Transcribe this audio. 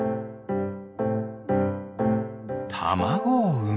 たまごをうむ。